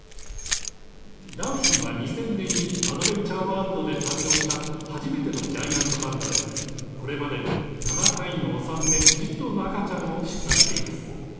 良浜は２０００年にアドベンチャーワールドで誕生した初めてのジャイアントパンダで、これまでに７回のお産で１０頭の赤ちゃんを出産しています。